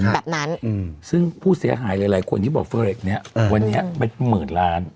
แบบนั้นซึ่งผู้เสียหายหลายคนที่บอกเฟอร์เรคนี้วันนี้เป็นหมื่นล้าน